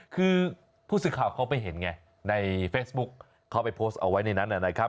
คือผู้สื่อข่าวเขาไปเห็นไงในเฟซบุ๊คเขาไปโพสต์เอาไว้ในนั้นนะครับ